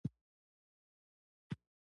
زه د باران د څاڅکو غږ خوښوم.